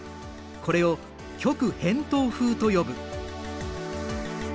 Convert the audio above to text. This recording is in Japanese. これを極偏東風と呼ぶ。